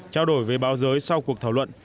chào đổi với báo giới sau cuộc thảo luận